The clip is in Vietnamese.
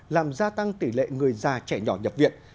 làm gia tăng tỷ lệ người già trẻ nhỏ nhập viện